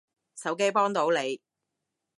手機幫到你